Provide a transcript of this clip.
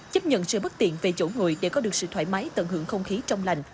chấp nhận sự bất tiện về chỗ ngồi để có được sự thoải mái tận hưởng không khí trong lành